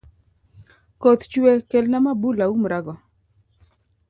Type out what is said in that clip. Koth chwe kelna mabul aumrago